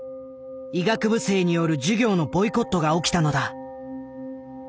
医学部生による授業のボイコットが起きたのだ。